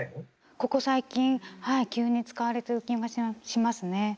ここ最近はい急に使われてる気がしますね。